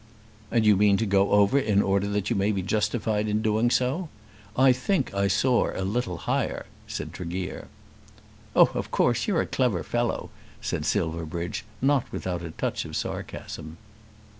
"And you mean to go over in order that you may be justified in doing so. I think I soar a little higher," said Tregear. "Oh, of course. You're a clever fellow," said Silverbridge, not without a touch of sarcasm.